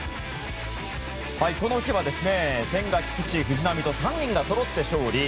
この日は千賀、菊池、藤浪と３人がそろって勝利。